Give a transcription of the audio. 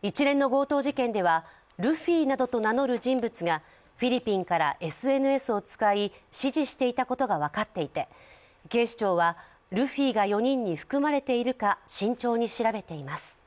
一連の強盗事件では、ルフィなどと名乗る人物が、フィリピンからＳＮＳを使い、指示していたことが分かっていて警視庁はルフィが４人に含まれているか慎重に調べています。